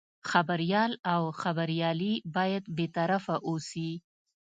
خبریال او خبریالي باید بې طرفه اوسي.